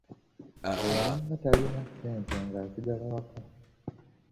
Bwe yabanga talina ssente ng'asigala waka.